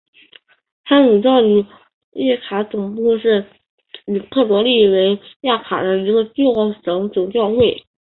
天主教里耶卡总教区是罗马天主教以克罗地亚西北部里耶卡为中心的一个教省总教区。